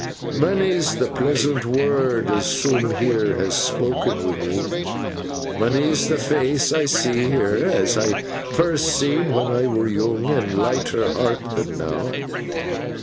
'Monny's the pleasant word as soom heer has spok'n wi' me; monny's the face I see heer, as I first seen when I were yoong and lighter heart'n than now.